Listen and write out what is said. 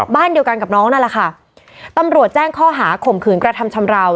บ้านเดียวกันกับน้องนั่นแหละค่ะตำรวจแจ้งข้อหาข่มขืนกระทำชำราว